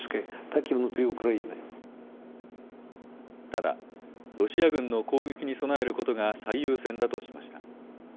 ただ、ロシア軍の攻撃に備えることが最優先だとしました。